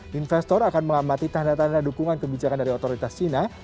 dan juga mengamati tanda tanda dukungan kebijakan dari otoritas china